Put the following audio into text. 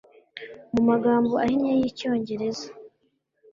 Mu magambo ahinye y icyongereza